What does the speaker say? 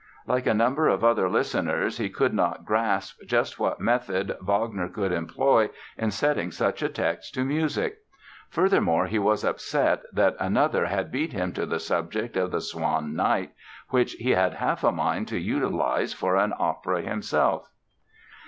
Like a number of other listeners he could not grasp just what method Wagner could employ in setting such a text to music. Furthermore he was upset that another had beat him to the subject of the swan knight, which he had half a mind to utilize for an opera himself.